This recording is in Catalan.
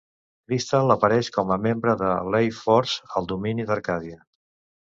Crystal apareix com a membre de l'A-Force al domini d'Arcadia.